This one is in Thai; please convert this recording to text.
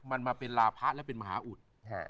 มันมาเป็นลาพะและเป็นมหาอุด